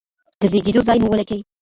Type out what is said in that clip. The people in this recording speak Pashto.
د زیږیدو ځای مو ولیکئ.